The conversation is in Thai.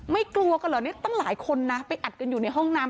ไม่กลัวกันเหรอตั้งหลายคนไปอัดอยู่ในห้องน้ำ